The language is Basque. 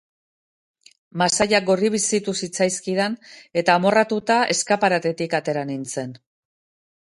Masailak gorribizitu zitzaizkidan eta, amorratuta, eskaparatetik atera nintzen.